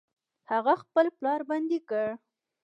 هغه خپل پلار بندي کړ.